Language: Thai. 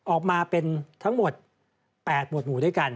ออกมาเป็นทั้งหมด๘หมวดหมู่ด้วยกัน